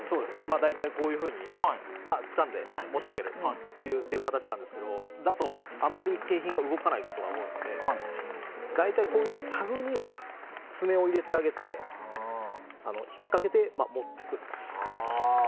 大体、こういうふうにつかんで持ち上げるという形なんですがそれだと、あまり景品が動かないことが多いので大体、タグに爪を入れてあげて引っかけて持ってくるという。